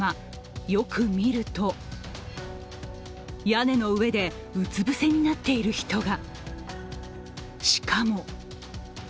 よく見ると屋根の上でうつぶせになっている人が。